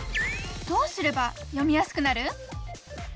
どうすれば読みやすくなる？